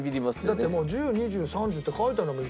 だってもう１０２０３０って書いてあるんだもん